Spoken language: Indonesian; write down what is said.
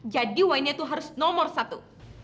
jadi winenya tuh harus nomor satu